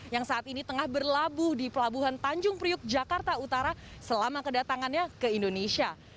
yang saat ini tengah berlabuh di pelabuhan tanjung priuk jakarta utara selama kedatangannya ke indonesia